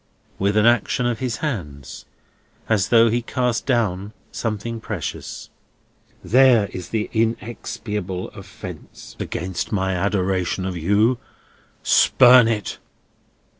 With an action of his hands, as though he cast down something precious. "There is the inexpiable offence against my adoration of you. Spurn it!"